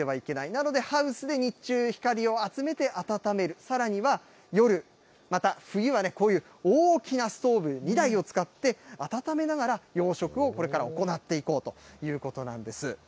なのでハウスで日中、光を集めて暖める、さらには夜、また冬はね、こういう大きなストーブ２台を使って、暖めながら、養殖をこれから行っていこうということなんです。